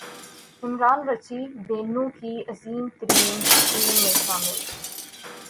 Imran Richie Benaud کی عظیم ترین ٹیم میں شامل